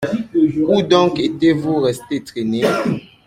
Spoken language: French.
Où donc étiez-vous resté traîner ?